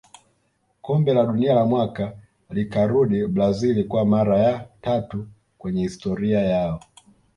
Kombe la dunia la mwaka likarudi brazil kwa mara ya tatu kwenye historia yao